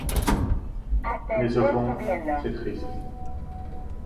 Mais, au fond, c'est triste.